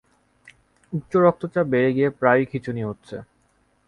উচ্চ রক্তচাপ বেড়ে গিয়ে প্রায়ই খিঁচুনি হচ্ছে।